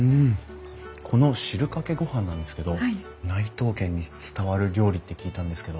この汁かけ御飯なんですけど内藤家に伝わる料理って聞いたんですけど。